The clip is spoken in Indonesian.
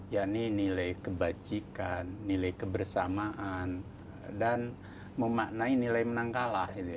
yakni nilai kebajikan nilai kebersamaan dan memaknai nilai menang kalah